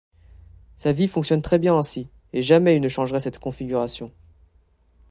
Sa vie fonctionne très bien ainsi et jamais il ne changerait cette configuration.